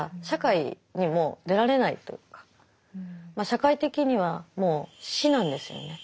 社会的にはもう死なんですよね